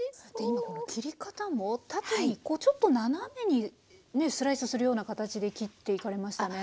今切り方も縦にこうちょっと斜めにスライスするような形で切っていかれましたね。